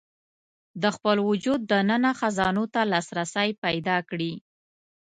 د خپل وجود دننه خزانو ته لاسرسی پيدا کړي.